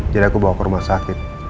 jadi aku bawa ke rumah sakit